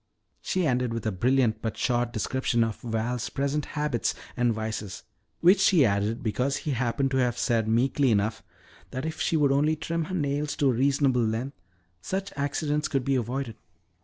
She ended with a brilliant but short description of Val's present habits and vices which she added because he happened to have said meekly enough that if she would only trim her nails to a reasonable length, such accidents could be avoided.